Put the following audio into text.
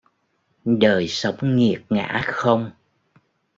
Đời sống nghiệt ngã không